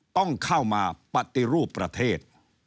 ต้องเข้ามาปฏิรูปประเทศ